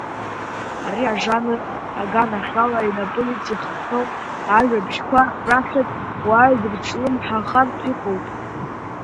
Ари ажанр аганахьала инапы иҵиххьоу ажәабжьқәа рахьтә уаҩ дрызҿлымҳахартә иҟоуп…